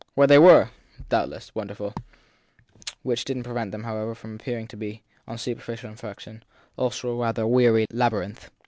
Well, they were, doubtless, wonderful; which didn t prevent them, however, from appear ing to be, on superficial inspection, also rather a weary laby rinth.